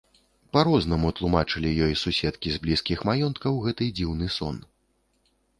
Па-рознаму тлумачылі ёй суседкі з блізкіх маёнткаў гэты дзіўны сон.